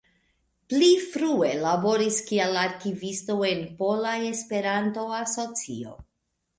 Pli frue laboris kiel arkivisto en Pola Esperanto-Asocio.